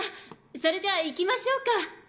それじゃ行きましょうか。